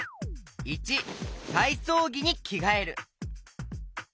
①たいそうぎにきがえる。